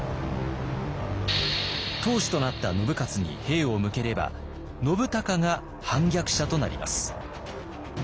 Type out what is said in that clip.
当主となった信雄に兵を向ければ信孝が反逆者となります。